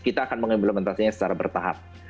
maka kita akan mengimplementasikan secara bertahap